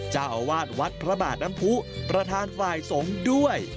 เจ้าอาวาสวัดพระบาทน้ำผู้ประธานฝ่ายสงฆ์ด้วย